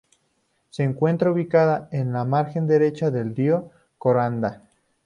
Se encuentra ubicada en la margen derecha del río Coronda.